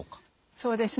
そうですね